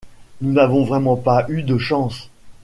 Nous n’avons vraiment pas eu de chance.